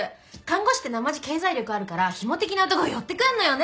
看護師ってなまじ経済力あるからヒモ的な男寄ってくるのよね！